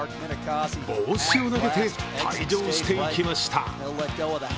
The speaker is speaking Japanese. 帽子を投げて退場していきました。